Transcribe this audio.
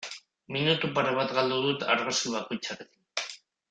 Minutu pare bat galdu dut argazki bakoitzarekin.